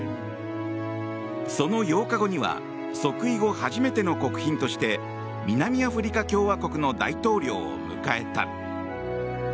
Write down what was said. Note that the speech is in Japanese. その８日後には即位後初めての国賓として南アフリカ共和国の大統領を迎えた。